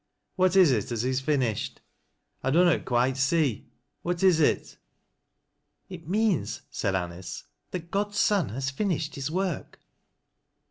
What is it as is finished ? I dunnot quite ee. What is it ?"" It means," said Anice " that God's Son has finished his work."